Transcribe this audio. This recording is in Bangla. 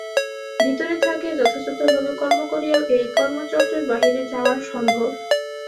ভিতরে থাকিয়া যথাযথভাবে কর্ম করিয়াও এই কর্মচক্রের বাহিরে যাওয়া সম্ভব।